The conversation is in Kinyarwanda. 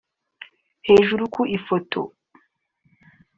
Hujuru ku ifoto